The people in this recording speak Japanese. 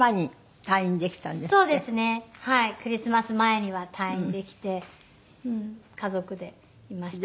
クリスマス前には退院できて家族でいました。